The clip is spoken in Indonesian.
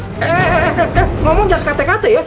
eh eh eh ngomong jelas kate kate ya